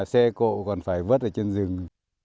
xe cộ còn phải vớt ở trên rừng